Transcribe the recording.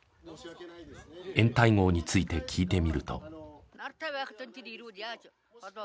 掩体壕について聞いてみると。